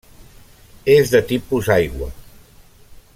És de tipus aigua.